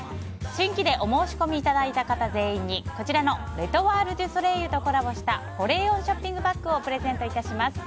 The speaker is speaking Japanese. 新規でお申し込みいただいた方全員にこちらのレ・トワール・デュ・ソレイユとコラボした保冷温ショッピングバッグをプレゼント致します。